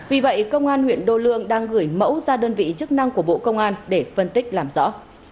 vì vậy công an huyện đô lương đang gửi mẫu ra đơn vị chức năng của bộ công an để phân tích làm rõ